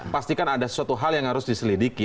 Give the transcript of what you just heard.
pastikan ada sesuatu hal yang harus diselidiki